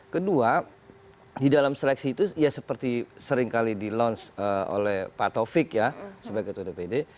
kedua di dalam seleksi itu ya seperti seringkali di launch oleh pak taufik ya sebagai ketua dpd